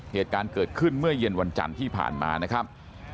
เหตุการณ์เกิดขึ้นเมื่อเย็นวันจันทร์ที่ผ่านมานะครับ